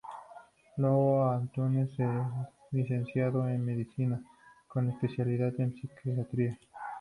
Lobo Antunes es licenciado en Medicina, con especialidad de Psiquiatría.